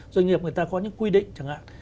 doanh nghiệp người ta có những quy định chẳng hạn